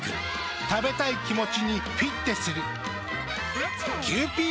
食べたい気持ちにフィッテする。